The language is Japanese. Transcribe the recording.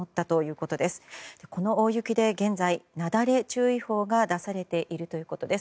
この大雪で現在、なだれ注意報が出されているということです。